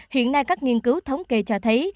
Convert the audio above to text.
hiện nay các nghiên cứu thống kê cho thấy